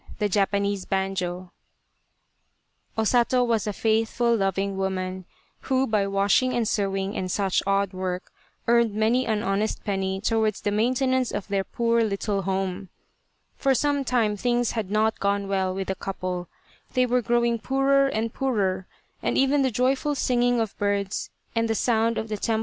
'i O Sato was a faithful loving woman, who by washing and sewing, and such odd work, earned many an honest penny towards the maintenance of their poor little home. For some time things had not gone well with the couple ; they were growing poorer and poorer, and even the joyful singing of birds, and the sound of the temple * The Japanese harp.